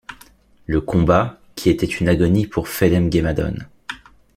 Le combat, qui était une agonie pour Phelem-ghe-madone